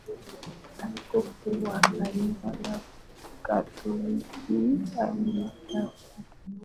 Askofu wa kanisa la katoliki alistaafu